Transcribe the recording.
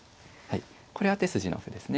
これは手筋の歩ですね。